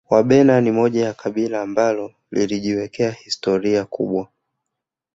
Wabena ni moja ya kabila ambalo lilijiwekea historia kubwa